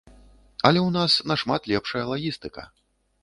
Але ў нас нашмат лепшая лагістыка.